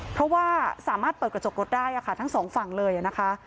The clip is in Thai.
เพราะว่าสามารถเปิดกระจกรถได้ค่ะทั้งสองฝั่งเลยนะคะ